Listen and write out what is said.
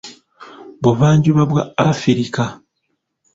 Buvanjuba bwa Afirika.